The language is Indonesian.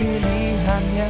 gue kesana ya